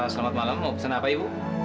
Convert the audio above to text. selamat malam mau pesen apa ibu